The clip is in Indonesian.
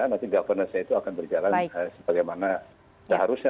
nanti governance nya itu akan berjalan seperti mana seharusnya